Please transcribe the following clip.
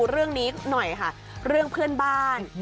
เรื่องนี้หน่อยค่ะเรื่องเพื่อนบ้าน